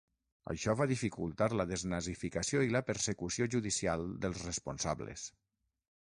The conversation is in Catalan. Això va dificultar la desnazificació i la persecució judicial dels responsables.